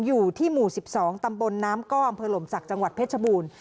อยู่ที่หมู่สิบสองตำบลน้ำกล้อมเผลมศักดิ์จังหวัดเพชรบูรณ์